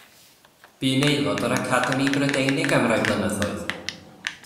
Bu'n aelod o'r Academi Brydeinig am rai blynyddoedd.